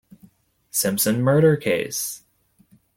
Simpson murder case.